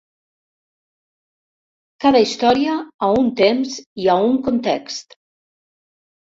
Cada història a un temps i a un context.